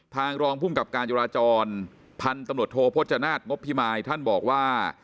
รองภูมิกับการจุราจรพันธุ์ตำรวจโทพจนาฏงบพิมายท่านบอกว่า